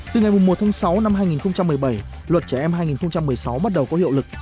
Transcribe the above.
từ ngày một tháng sáu năm hai nghìn một mươi bảy luật trẻ em hai nghìn một mươi sáu bắt đầu có hiệu lực